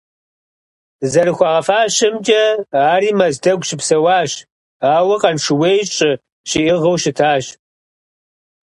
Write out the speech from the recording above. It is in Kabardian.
ЗэрыхуагъэфащэмкӀэ, ари Мэздэгу щыпсэуащ, ауэ Къаншыуей щӀы щиӀыгъыу щытащ.